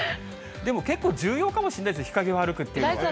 でも結構、重要かもしれないですね、日陰を歩くっていうのは。